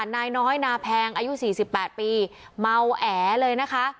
นายน้อยนาแพงอายุ๔๘ปีเมาแอเลยนะคะ